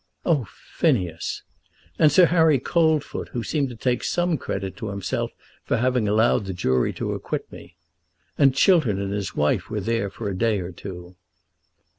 "Oh, Phineas!" "And Sir Harry Coldfoot, who seemed to take some credit to himself for having allowed the jury to acquit me. And Chiltern and his wife were there for a day or two."